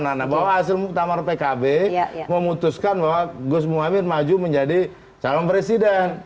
maksudnya kalau asal tamar pkb memutuskan bahwa gus muhammad maju menjadi calon presiden